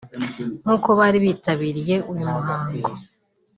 nk’uko bari bitabiriye uyu muhango